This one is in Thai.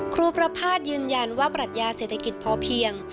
ครูประภาษณ์ยืนยันว่าปรัชญาเศรษฐกิจพอเพียง